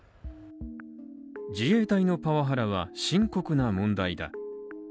自衛隊のパワハラは深刻な問題だ。